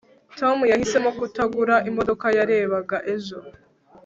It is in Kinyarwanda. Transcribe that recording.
tom yahisemo kutagura imodoka yarebaga ejo